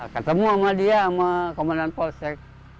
ketemu sama dia sama komandan polsek